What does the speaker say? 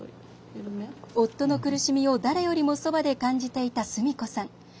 夫の苦しみを誰よりもそばで感じていた、純子さん。